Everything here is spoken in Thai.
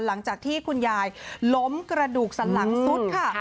หลังจากที่คุณยายล้มกระดูกสันหลังสุดค่ะ